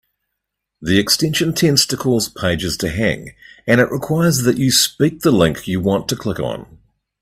The extension tends to cause pages to hang, and it requires that you speak the link you want to click on.